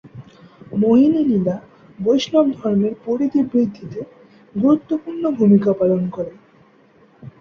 মোহিনী-লীলা বৈষ্ণবধর্মের পরিধি বৃদ্ধিতে গুরুত্বপূর্ণ ভূমিকা পালন করে।